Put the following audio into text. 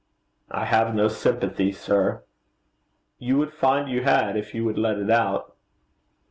'I have no sympathy, sir.' 'You would find you had, if you would let it out.'